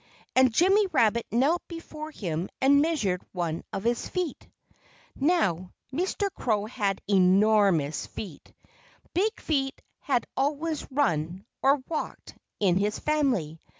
And Jimmy Rabbit knelt before him and measured one of his feet. Now, Mr. Crow had enormous feet. Big feet had always run or walked in his family.